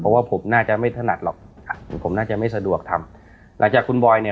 เพราะว่าผมน่าจะไม่ถนัดหรอกผมน่าจะไม่สะดวกทำหลังจากคุณบอยเนี่ย